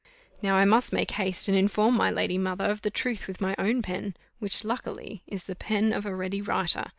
Now I must make haste and inform my lady mother of the truth with my own pen, which luckily is the pen of a ready writer.